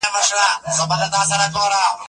زه مخکي سبزیجات پاخلي وو،